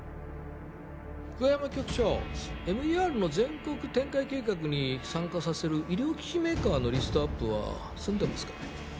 久我山局長ＭＥＲの全国展開計画に参加させる医療機器メーカーのリストアップは済んでますかね？